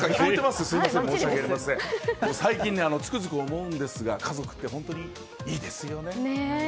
最近つくづく思うんですが家族って本当にいいですよね。